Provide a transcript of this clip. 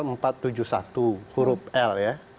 yang berkaitan dengan pasal empat ratus tujuh puluh satu huruf l ya